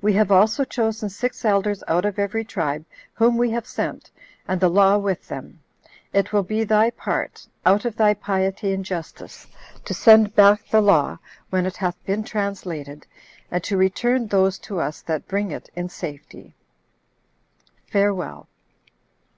We have also chosen six elders out of every tribe, whom we have sent, and the law with them. It will be thy part, out of thy piety and justice, to send back the law, when it hath been translated, and to return those to us that bring it in safety. Farewell."